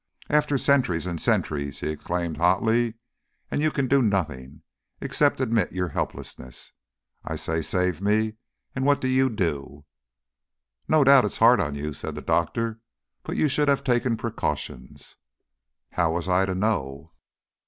"After centuries and centuries," he exclaimed hotly; "and you can do nothing except admit your helplessness. I say, 'save me' and what do you do?" "No doubt it's hard on you," said the doctor. "But you should have taken precautions." "How was I to know?"